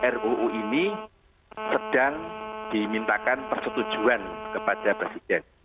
ruu ini sedang dimintakan persetujuan kepada presiden